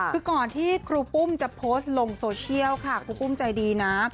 คือก่อนที่ครูปุ้มจะโพสต์ลงโซเชียลค่ะครูปุ้มใจดีนะ